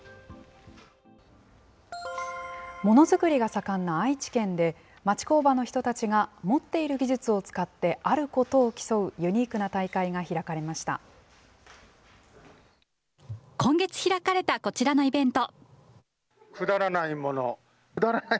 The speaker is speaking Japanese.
ものづくりが盛んな愛知県で、町工場の人たちが持っている技術を使ってあることを競う、今月開かれたこちらのイベント。